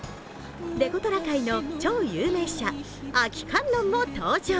デコトラ界の超有名車、亜紀観音も登場。